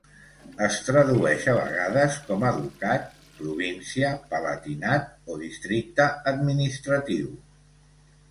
Es tradueix a vegades com a ducat, província, palatinat o districte administratiu.